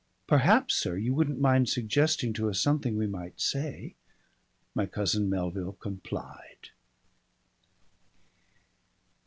"Perhaps, sir, you wouldn't mind suggesting to us something we might say " My cousin Melville complied.